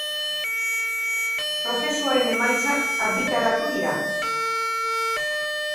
Prozesuaren emaitzak argitaratu dira.